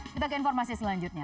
kita ke informasi selanjutnya